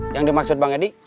yang dimaksud bang edi